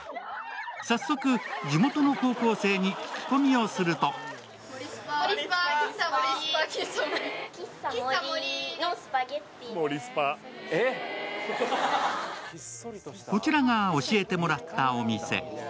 早速、地元の高校生に聞き込みをするとこちらが、教えてもらったお店。